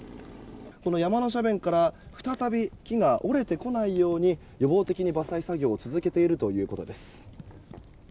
山の斜面から再び木が折れてこないように予防的に伐採作業を続けているということです。